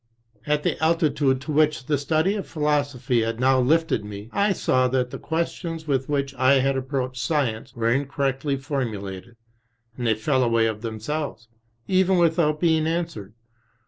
At the altitude to which the study of philosophy had now lifted me, I saw that the questions with which I had approached Science were in correctly formulated, and they fell away of themselves, even without being answered.